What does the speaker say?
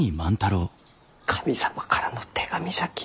神様からの手紙じゃき。